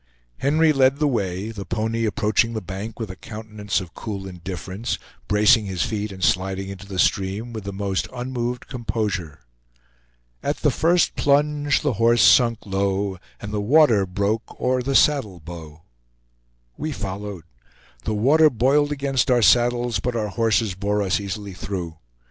Henry led the way, the pony approaching the bank with a countenance of cool indifference, bracing his feet and sliding into the stream with the most unmoved composure. At the first plunge the horse sunk low, And the water broke o'er the saddle bow We followed; the water boiled against our saddles, but our horses bore us easily through.